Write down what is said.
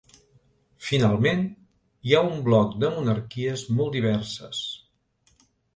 Finalment, hi ha un bloc de monarquies molt diverses.